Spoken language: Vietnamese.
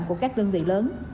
của các đơn vị lớn